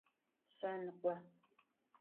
Şsenıkho.